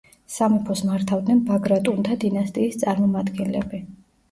სამეფოს მართავდნენ ბაგრატუნთა დინასტიის წარმომადგენლები.